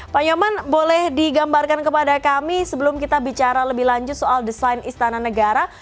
pak nyoman boleh digambarkan kepada kami sebelum kita bicara lebih lanjut soal desain istana negara